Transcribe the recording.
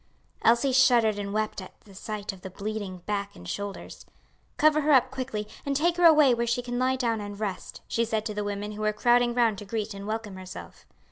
Elsie shuddered and wept at sight of the bleeding back and shoulders. "Cover her up quickly, and take her away where she can lie down and rest," she said to the women who were crowding round to greet and welcome herself.